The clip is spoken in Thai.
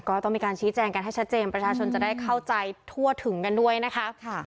ก็ต้องมีการชี้แจงกันให้ชัดเจนประชาชนจะได้เข้าใจทั่วถึงกันด้วยนะคะ